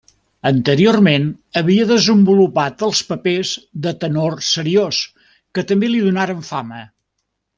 Anteriorment havia desenvolupat els papers de tenor seriós, que també li donaren fama.